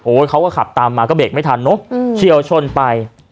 เขาก็ขับตามมาก็เบรกไม่ทันเนอะเฉียวชนไป